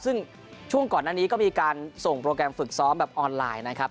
ซึ่งช่วงก่อนหน้านี้ก็มีการส่งโปรแกรมฝึกซ้อมแบบออนไลน์นะครับ